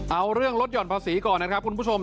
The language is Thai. เอาเรื่องลดหย่อนภาษีก่อนนะครับคุณผู้ชม